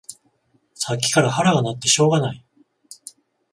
さっきから腹が鳴ってしょうがない